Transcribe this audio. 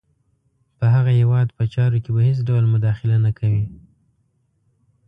په هغه هیواد په چارو کې به هېڅ ډول مداخله نه کوي.